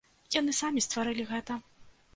Яны самі стварылі гэта.